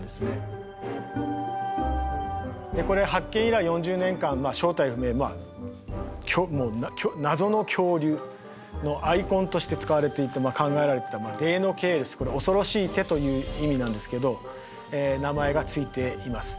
でこれ発見以来４０年間正体不明まあもう謎の恐竜のアイコンとして使われていて考えられていたデイノケイルスこれ恐ろしい手という意味なんですけど名前が付いています。